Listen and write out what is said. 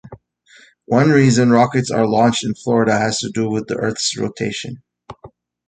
One reason rockets are launched in Florida has to do with the Earth's rotation.